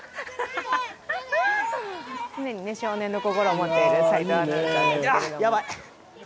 常に少年の心を持っている齋藤アナウンサーでした